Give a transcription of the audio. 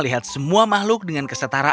kita harus menilai hidupmu di tema monster